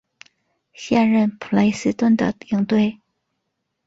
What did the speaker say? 现任普雷斯顿的领队。